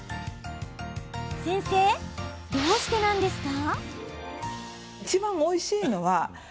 先生、どうしてなんですか？